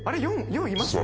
４います？